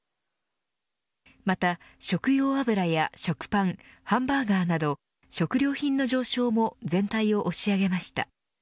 また、食用油や食パンハンバーガーなど食料品の上昇も全体を押し上げました。